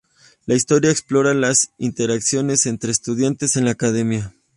La historia explora las interacciones entre estudiantes en la Academia.